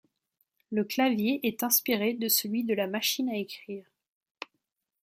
Le clavier est inspiré de celui de la machine à écrire.